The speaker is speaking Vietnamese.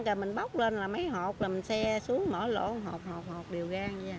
quen rồi mình bóc lên là mấy hột rồi mình xe xuống mở lỗ hột hột hột đều gan ra